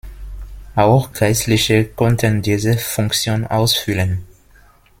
Auch Geistliche konnten diese Funktion ausfüllen.